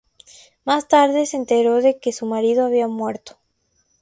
Más tarde se enteró de que su marido había muerto.